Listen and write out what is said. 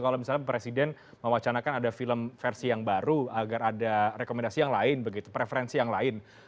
kalau misalnya presiden mewacanakan ada film versi yang baru agar ada rekomendasi yang lain begitu preferensi yang lain